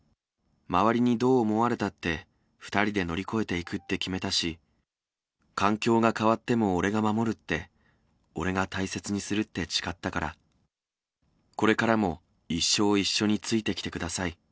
周りにどう思われたって、２人で乗り越えていくって決めたし、環境が変わっても俺が守るって、俺が大切にするって誓ったから、これからも一生、一緒についてきてください。